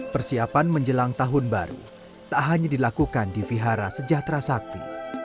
persiapan menjelang tahun baru tak hanya dilakukan di vihara sejahtera sakti